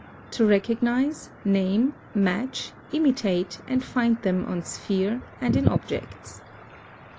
To recognize, name, match, imitate, and 3. find them on sphere and in objects.